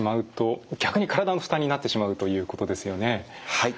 はい。